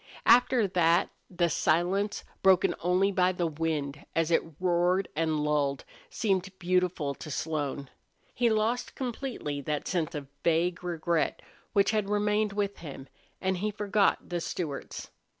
After that the silence, broken only by the wind as it roared and lulled, seemed beautiful to Slone. He lost completely that sense of vague regret which had remained with him, and he forgot the Stewarts.